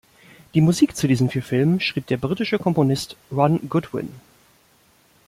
Die Musik zu diesen vier Filmen schrieb der britische Komponist Ron Goodwin.